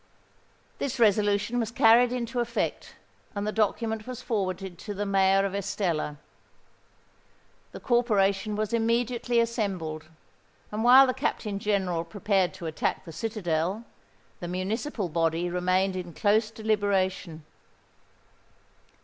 This resolution was carried into effect; and the document was forwarded to the Mayor of Estella. The corporation was immediately assembled; and while the Captain General prepared to attack the citadel, the municipal body remained in close deliberation.